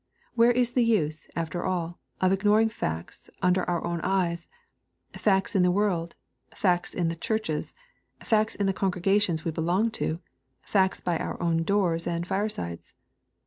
Where is the use, after all, of ignoring facts under oui own eyes, — facts in the world, — ^facts in the churches, — facts in the congregations we belong to, — facts by oui own doors and firesides